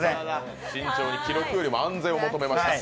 慎重に、記録よりも安全を求めました。